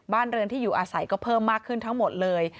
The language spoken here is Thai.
เรือนที่อยู่อาศัยก็เพิ่มมากขึ้นทั้งหมดเลย